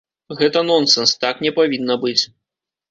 Гэта нонсэнс, так не павінна быць.